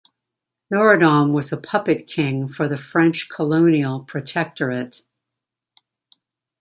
Norodom was a puppet king for the French colonial protectorate.